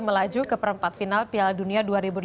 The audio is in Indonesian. melaju ke perempat final piala dunia dua ribu delapan belas